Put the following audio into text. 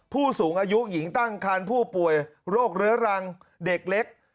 ผู้สูงอายุหญิงตั้งคันผู้ป่วยโรคเรื้อรังเด็กเล็ก